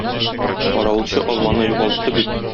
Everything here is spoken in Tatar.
Каравылчы алманы югалтты бит.